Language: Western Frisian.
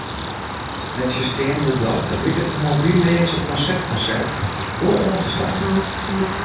Nettsjinsteande dat liket it mobylleaze konsert-konsept wol oan te slaan.